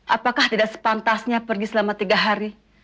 apakah tidak sepantasnya pergi selama tiga hari